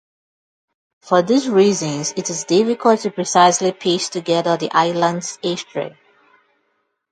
For these reasons, it is difficult to precisely piece together the island's history.